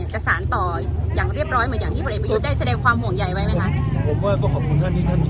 จะสารต่ออย่างเรียบร้อยเหมือนที่พ่อเรียบอิยูปได้